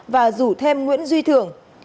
và rủ thêm nguyễn duy thường